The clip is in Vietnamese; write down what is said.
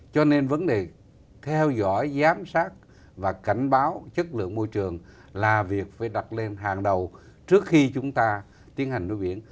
cho nên vấn đề theo dõi giám sát và cảnh báo chất lượng môi trường là việc phải đặt lên hàng đầu trước khi chúng ta tiến hành nuôi biển